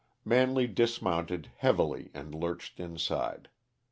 Manley dismounted heavily and lurched inside.